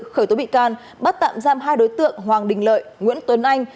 khởi tố bị can bắt tạm giam hai đối tượng hoàng đình lợi nguyễn tuấn anh